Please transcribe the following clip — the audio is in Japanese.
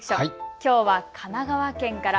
きょうは神奈川県から。